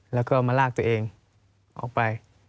แล้วก็มาลากตัวเองออกไป